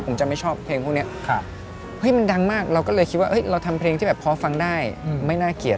ผมจะไม่ชอบเพลงพวกนี้เฮ้ยมันดังมากเราก็เลยคิดว่าเราทำเพลงที่แบบพอฟังได้ไม่น่าเกลียด